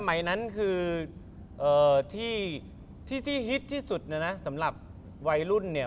สมัยนั้นคือที่ที่ฮิตที่สุดนะนะสำหรับวัยรุ่นเนี่ย